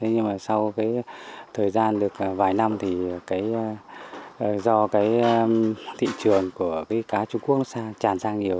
nhưng sau thời gian được vài năm do thị trường của cá trung quốc tràn sang nhiều